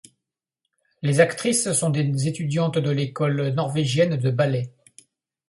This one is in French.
Les actrices sont des étudiantes de l'école norvégienne de ballet.